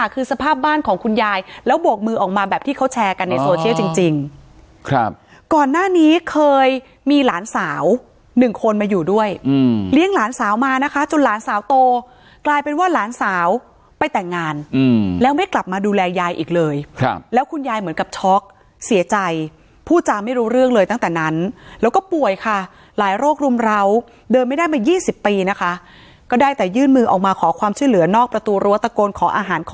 ก่อนหน้านี้เคยมีหลานสาวหนึ่งคนมาอยู่ด้วยเลี้ยงหลานสาวมานะคะจนหลานสาวโตกลายเป็นว่าหลานสาวไปแต่งงานแล้วไม่กลับมาดูแลยายอีกเลยแล้วคุณยายเหมือนกับช็อกเสียใจพูดจำไม่รู้เรื่องเลยตั้งแต่นั้นแล้วก็ป่วยค่ะหลายโรครุมราวเดินไม่ได้มายี่สิบปีนะคะก็ได้แต่ยื่นมือออกมาขอความชื่อเหลือนอกประตูรัวตะโกนขออาหารข